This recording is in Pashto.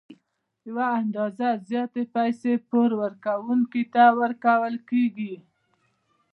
یوه اندازه زیاتې پیسې پور ورکوونکي ته ورکول کېږي